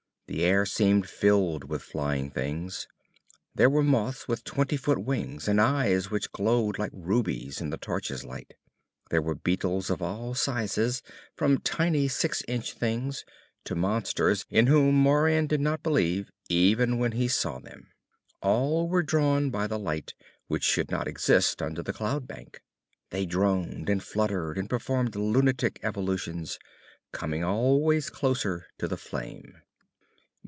The air seemed filled with flying things. There were moths with twenty foot wings and eyes which glowed like rubies in the torch's light. There were beetles of all sizes from tiny six inch things to monsters in whom Moran did not believe even when he saw them. All were drawn by the light which should not exist under the cloud bank. They droned and fluttered and performed lunatic evolutions, coming always closer to the flame.